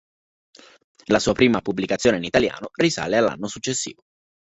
La sua prima pubblicazione in italiano risale all'anno successivo.